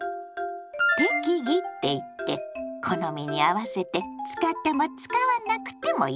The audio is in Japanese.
「適宜」っていって好みに合わせて使っても使わなくてもいいってこと。